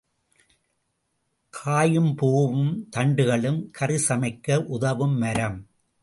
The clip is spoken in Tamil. காயும் பூவும் தண்டுகளும் கறிசமைக்க உதவும் மரம்.